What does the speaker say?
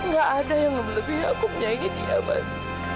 gak ada yang melebihi aku menyayangi dia mas